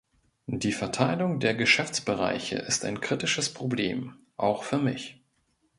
Die Verteilung der Geschäftsbereiche ist ein kritisches Problem, auch für mich.